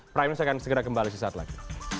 prime news akan segera kembali di saat lagi